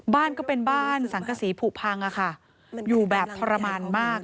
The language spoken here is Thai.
บ้านก็เป็นบ้านสังกษีผูกพังอยู่แบบทรมานมาก